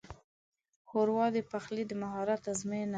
ښوروا د پخلي د مهارت ازموینه ده.